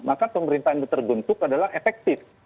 maka pemerintahan itu terbentuk adalah efektif